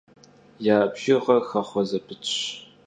ya bjjığer xexhue zepıtş.